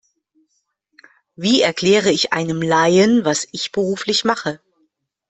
Wie erkläre ich einem Laien, was ich beruflich mache?